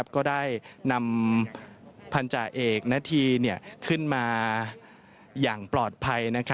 ก็ได้นำพันธาเอกณฑีขึ้นมาอย่างปลอดภัย